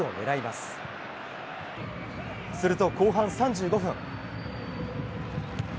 すると、後半３５分。